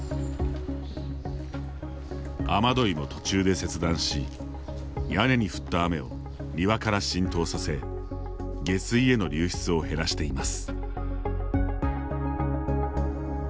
雨どいも途中で切断し屋根に降った雨を庭から浸透させ下水への流出を減らしています。